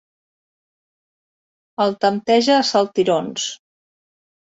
El tempteja a saltirons.